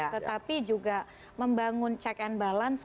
tetapi juga membangun check and balance